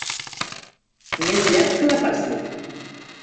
Més llarg que la Pàssia.